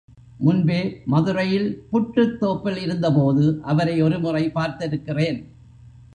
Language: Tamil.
முன்பே மதுரையில் புட்டுத்தோப்பில் இருந்தபோது அவரை ஒருமுறை பார்த்திருக்கிறேன்.